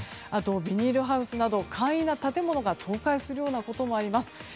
あと、ビニールハウスなど簡易な建物が倒壊するようなこともあります。